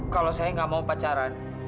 kalau saya nggak mau pacaran